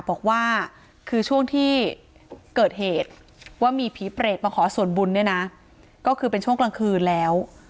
บอกว่าคือช่วงที่เกิดเหตุว่ามีผีเปรตมาขอส่วนบุญเนี่ยนะก็คือเป็นช่วงกลางคืนแล้ว